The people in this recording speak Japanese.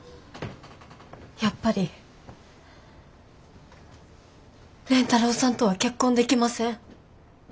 やっぱり蓮太郎さんとは結婚できません。